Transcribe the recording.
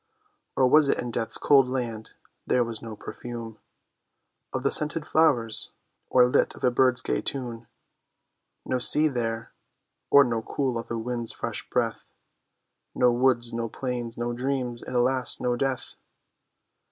Or was it in death's cold land there was no perfume Of the scented flowers, or lilt of a bird's gay tune. No sea there, or no cool of a wind's fresh breath, No woods, no plains, no dreams, and alas! no death?